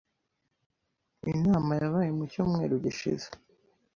Inama yabaye mu cyumweru gishize.